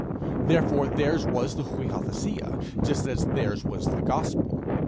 Therefore theirs was the [Greek: viothesia], just as theirs was the gospel.